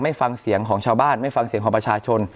ไม่ฟังเสียงของชาวบ้านไม่ฟังเสียงของประชาชน